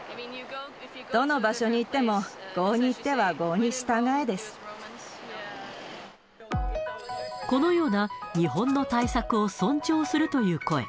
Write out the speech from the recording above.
どの場所に行っても、このような、日本の対策を尊重するという声。